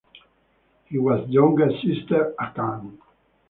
He has younger sister Akane.